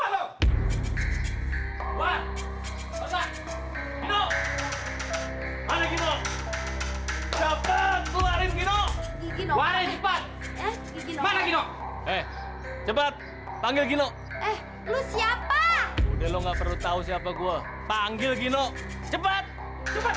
lu siapa udah lo nggak perlu tahu siapa gua panggil gino cepat cepat